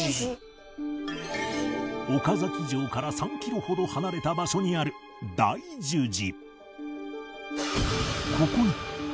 岡崎城から３キロほど離れた場所にある大樹寺